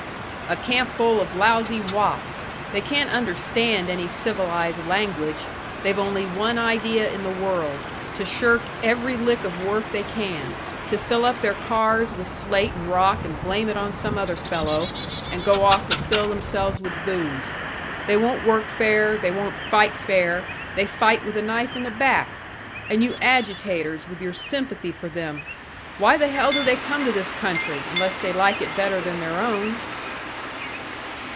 "A campful of lousy wops! They can't understand any civilised language, they've only one idea in the world to shirk every lick of work they can, to fill up their cars with slate and rock and blame it on some other fellow, and go off to fill themselves with booze. They won't work fair, they won't fight fair they fight with a knife in the back! And you agitators with your sympathy for them why the hell do they come to this country, unless they like it better than their own?"